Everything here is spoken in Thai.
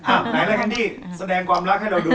อ่ะไหนล่ะแคนดี้แสดงความรักให้เราดู